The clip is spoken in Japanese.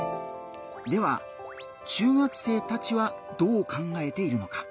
では中学生たちはどう考えているのか？